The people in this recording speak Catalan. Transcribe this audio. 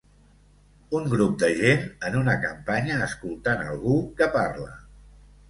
Un grup de gent en una campanya escoltant algú que parla